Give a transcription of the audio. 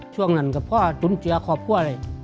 ช่วงนั้นกับพ่อจุนเจือครอบครัวเลย